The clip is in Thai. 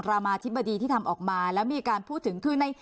รามาธิบดีที่ทำออกมาแล้วมีการพูดถึงคือใน